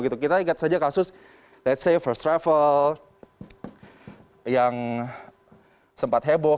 kita ingat saja kasus let's say first travel yang sempat heboh